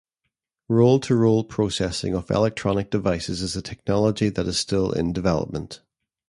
Roll-to-roll processing of electronic devices is a technology that is still in development.